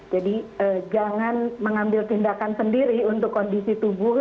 jadi jangan mengambil tindakan sendiri untuk kondisi tubuh